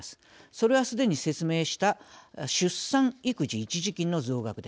それはすでに説明した出産育児一時金の増額です。